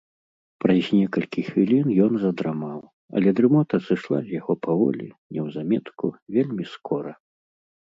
Праз некалькі хвілін ён задрамаў, але дрымота сышла з яго паволі, неўзаметку, вельмі скора.